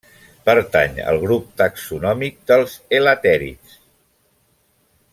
Pertany al grup taxonòmic dels elatèrids.